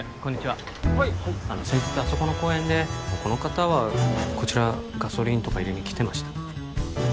はい先日あそこの公園でこの方はこちらガソリンとか入れに来てましたか？